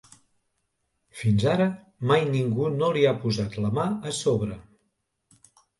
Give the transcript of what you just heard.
Fins ara mai ningú no li ha posat la mà a sobre.